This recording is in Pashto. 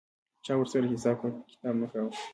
چا ورسره حساب کتاب نه کاوه.